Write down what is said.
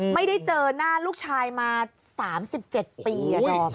ไม่ได้เจอหน้าลูกชายมา๓๗ปี